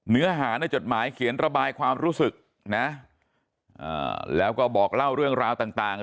เนื้อหาในจดหมายเขียนระบายความรู้สึกนะแล้วก็บอกเล่าเรื่องราวต่าง